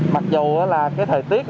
mặc dù là cái thời tiết